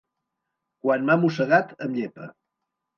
Quan m'ha mossegat, em llepa.